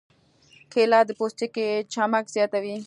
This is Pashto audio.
کېله د پوستکي چمک زیاتوي.